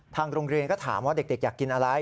ทางโรงเรียนก็ถามว่าเด็กอยากกินอะไร